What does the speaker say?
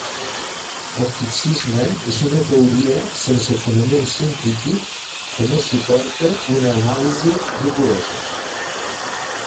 El fixisme és una teoria sense fonament científic que no suporta una anàlisi rigorosa.